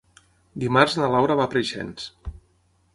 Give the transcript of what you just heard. Dimarts na Laura va a Preixens.